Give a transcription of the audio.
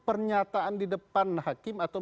pernyataan di depan hakim atau